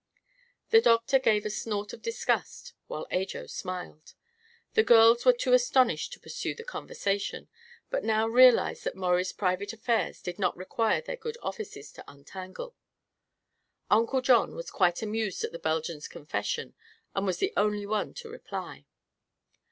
The doctor gave a snort of disgust, while Ajo smiled. The girls were too astonished to pursue the conversation, but now realized that Maurie's private affairs did not require their good offices to untangle. Uncle John was quite amused at the Belgian's confession and was the only one to reply.